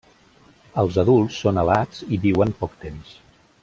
Els adults són alats i viuen poc temps.